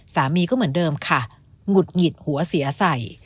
สามีก็เหมือนเดิมค่ะหงุดหงิดหัวเสียใส่